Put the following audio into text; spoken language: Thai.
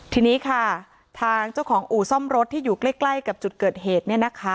ทีนี้ค่ะทางเจ้าของอู่ซ่อมรถที่อยู่ใกล้กับจุดเกิดเหตุ